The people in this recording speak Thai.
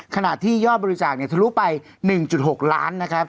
ขณะที่ยอดบริจาคทะลุไป๑๖ล้านนะครับ